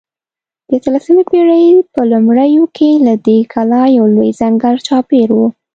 د اتلسمې پېړۍ په لومړیو کې له دې کلا یو لوی ځنګل چاپېر و.